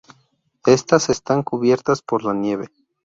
Estas están cubiertas por la nieve.